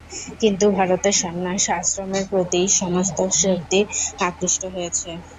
কিন্তু ভারতে সন্ন্যাস আশ্রমের প্রতিই সমস্ত শক্তি আকৃষ্ট হইয়াছে।